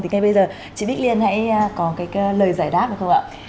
thì ngay bây giờ chị bích liên hãy có cái lời giải đáp được không ạ